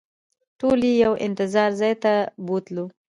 ټول یې یو انتظار ځای ته بوتلو.